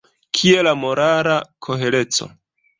Kie la morala kohereco?